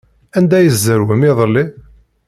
Anda ay tzerwem iḍelli?